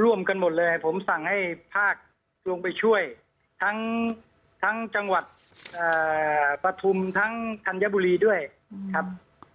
ร่วมกันหมดเลยผมสั่งให้ภาคลงไปช่วยทั้งจังหวัดปฐุมทั้งธัญบุรีด้วยครับ